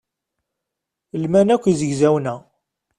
Lman akk yizegzawen-a.